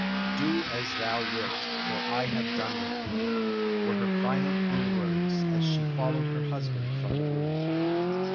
"Do as thou wilt, for I have done with thee," were her final cruel words, as she followed her husband from the room.